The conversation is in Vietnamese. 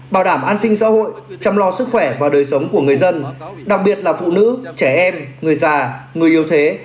bảo đảm an sinh xã hội chăm lo sức khỏe và đời sống của người dân đặc biệt là phụ nữ trẻ em người già người yếu thế